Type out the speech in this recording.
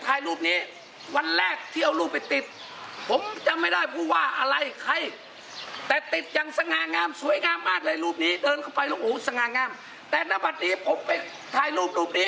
ถ่ายรูปรูปนี้มาแม่เจ้ามาแล้วรูปผมไปติดดู